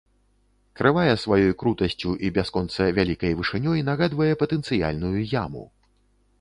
Крывая сваёй крутасцю і бясконца вялікай вышынёй нагадвае патэнцыяльную яму.